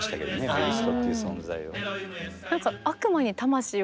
メフィストっていう存在を。